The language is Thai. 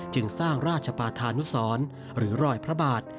จึงสร้างราชปาธานุสรหรือรอยพระบาท